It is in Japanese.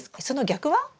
その逆は？